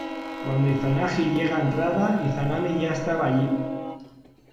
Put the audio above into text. Cuando Izanagi llega entrada, Izanami ya estaba allí.